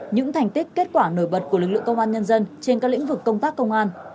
những thành tích kết quả nổi bật của lực lượng công an nhân dân trên các lĩnh vực công tác công an